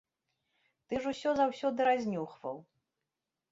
Ты ж усё заўсёды разнюхваў.